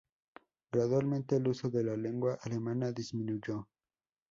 Gradualmente, el uso de la lengua alemana disminuyó.